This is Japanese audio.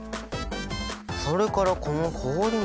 それからこの氷水は。